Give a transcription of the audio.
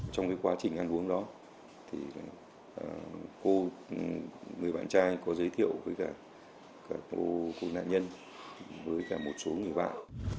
trong quá trình ăn uống đó người bạn trai có giới thiệu với cả cô nạn nhân với cả một số người bạn